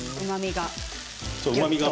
うまみが。